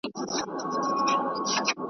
له تګ وروسته دي